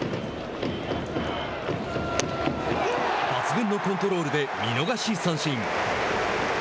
抜群のコントロールで見逃し三振。